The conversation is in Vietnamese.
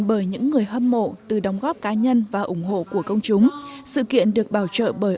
bởi những người hâm mộ từ đóng góp cá nhân và ủng hộ của công chúng sự kiện được bảo trợ bởi